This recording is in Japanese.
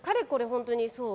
本当に、そう。